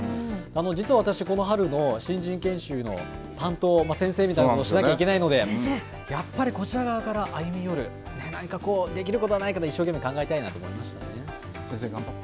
実は私、この春の新人研修の担当、先生みたいなこと、しなきゃいけないので、やっぱりこちら側から歩み寄る、なにかこう、できることはないかと、一生懸命考えたい先生、頑張って。